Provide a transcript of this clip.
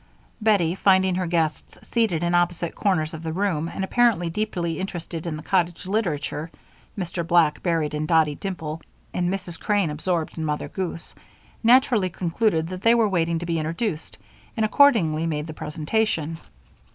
Bettie, finding their guests seated in opposite corners of the room and apparently deeply interested in the cottage literature Mr. Black buried in Dottie Dimple and Mrs. Crane absorbed in Mother Goose naturally concluded that they were waiting to be introduced, and accordingly made the presentation.